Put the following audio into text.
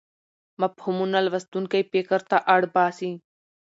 مفهومونه لوستونکی فکر ته اړ باسي.